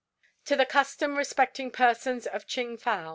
"TO THE CUSTOM RESPECTING PERSONS OF CHING FOW.